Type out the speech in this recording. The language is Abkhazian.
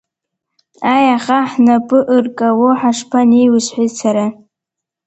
Ааи, аха ҳнапы ыркало ҳашԥанеиуеи, – сҳәеит сара.